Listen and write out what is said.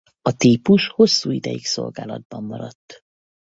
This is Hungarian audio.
A típus hosszú ideig szolgálatban maradt.